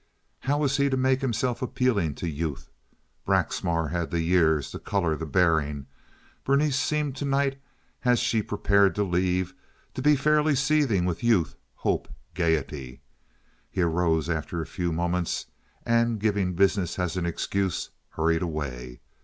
How was he to make himself appealing to youth? Braxmar had the years, the color, the bearing. Berenice seemed to night, as she prepared to leave, to be fairly seething with youth, hope, gaiety. He arose after a few moments and, giving business as an excuse, hurried away.